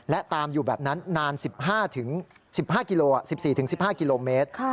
และตามอยู่แบบนั้นนาน๑๕๑๕กิโล๑๔๑๕กิโลเมตร